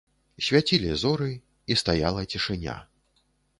Свяцілі зоры, і стаяла цішыня.